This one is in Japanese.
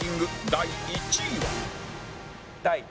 第１位は。